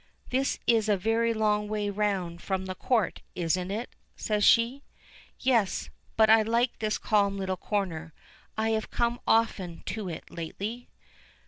"This is a very long way round from the Court, isn't it?" says she. "Yes. But I like this calm little corner. I have come often to it lately."